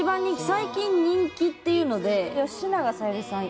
最近人気っていうので吉永小百合さん